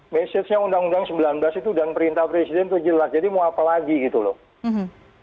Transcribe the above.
mesejnya undang undang sembilan belas itu dan perintah presiden itu jelas jadi mau apa lagi gitu loh